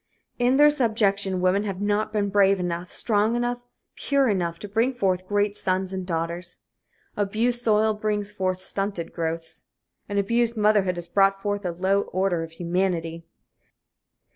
In their subjection women have not been brave enough, strong enough, pure enough to bring forth great sons and daughters. Abused soil brings forth stunted growths. An abused motherhood has brought forth a low order of humanity.